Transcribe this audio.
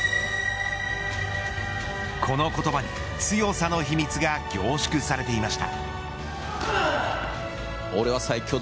この言葉に、強さの秘密が凝縮されていました。